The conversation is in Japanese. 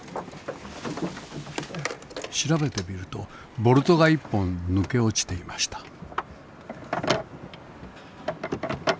調べてみるとボルトが１本抜け落ちていました。